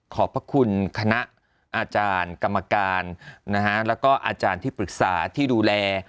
ขอบพระคุณคณะอาจารย์กรรมการแล้วก็อาจารย์ที่ปรึกษาที่ดูแล